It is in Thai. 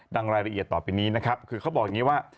ดังรายละเอียดต่อไปนี้ขึ้นบอกอย่างนี้ว่า